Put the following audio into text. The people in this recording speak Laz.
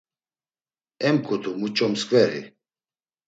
Emǩutu muç̌o msǩveri.